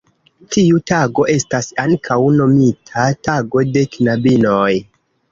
Tiu tago estas ankaŭ nomita "tago de knabinoj".